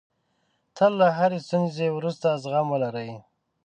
تل له هرې ستونزې وروسته زغم ولرئ.